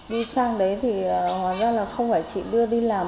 đi sang đấy thì ngoài ra là không phải chị đưa đi làm